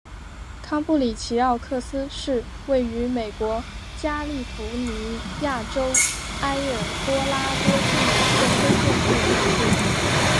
康布里奇奥克斯是位于美国加利福尼亚州埃尔多拉多县的一个非建制地区。